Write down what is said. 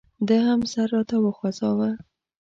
ده هم سر راته وخوځاوه.